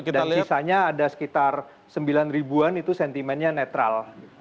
dan sisanya ada sekitar sembilan an itu sentimennya netral